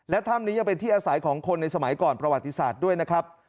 และถ้ำนี้ยังเป็นที่อาศัยของคนในสมัยก่อนประวัติศาสตร์ด้วยนะครับ